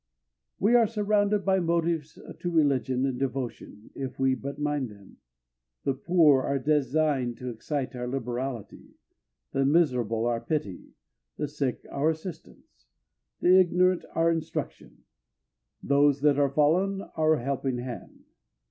We are surrounded by motives to religion and devotion if we would but mind them. The poor are designed to excite our liberality, the miserable our pity, the sick our assistance, the ignorant our instruction, those that are fallen our helping hand.